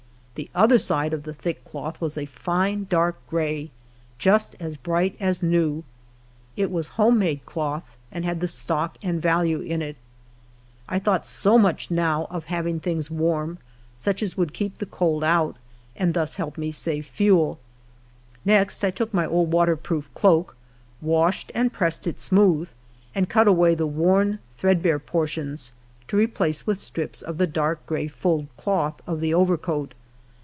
The other side of the thick cloth was a line dark gray, just as bright as new. It was home made cloth, and had the stock and value in it. I thought so much now of having things warm, sucli as would keep the cold out. and thus help save fuel. Next I took my old water proof cloak, washed and pressed it smooth, and cut away the worn, threadbare portions, to replace with strips of the dark gray fulled cloth of the overcoat.